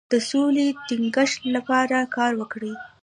د سولې د ټینګښت لپاره کار وکړئ.